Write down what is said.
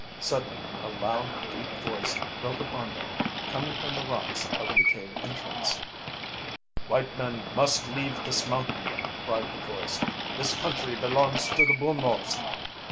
Suddenly a loud, deep voice broke upon them, coming from the rocks over the cave entrance. "White men must leave this mountain!" cried the voice. "This country belongs to the Bumwos.